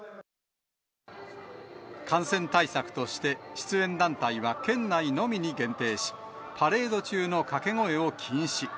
感染対策として、出演団体は県内のみに限定し、パレード中の掛け声を禁止。